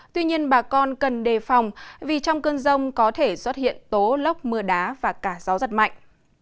tuy nhiên bà con cần đề phòng vì trong cơn rông có thể xuất hiện tố lốc mưa đá và cả gió giật mạnh